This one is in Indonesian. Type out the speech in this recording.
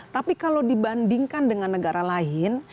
tapi kalau dibandingkan dengan negara lain